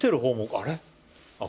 あれ？